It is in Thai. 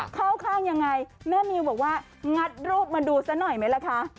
เข้าข้างยังไงแม่มิวบอกว่างัดรูปมาดูซะหน่อยไหมล่ะคะ